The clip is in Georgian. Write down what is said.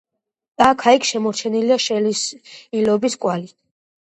აქა-იქ შემორჩენილია შელესილობის კვალი.